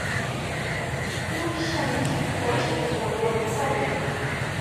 Uushanchik kachita llaqwaykaayan.